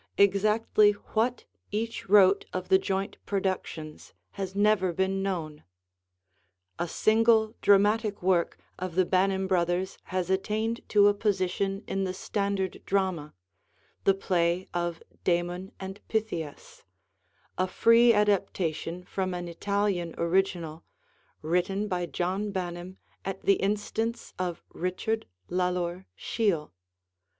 Exactly what each wrote of the joint productions has never been known. A single dramatic work of the Banim brothers has attained to a position in the standard drama, the play of 'Damon and Pythias,' a free adaptation from an Italian original, written by John Banim at the instance of Richard Lalor Shiel.